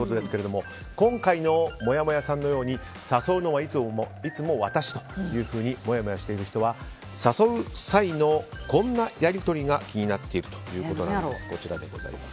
今回のもやもやさんのように誘うのはいつも私というふうにもやもやしている人は誘う際のこんなやり取りが気になっているということです。